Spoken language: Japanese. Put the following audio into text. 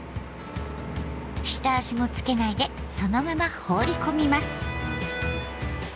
下味もつけないでそのまま放り込みます。